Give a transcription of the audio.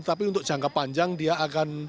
tapi untuk jangka panjang dia akan